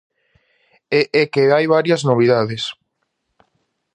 E é que hai varias novidades.